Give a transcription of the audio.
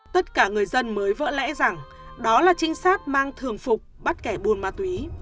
tất cả người dân mới vỡ lẽ rằng đó là trinh sát mang thường phục bắt kẻ buôn ma túy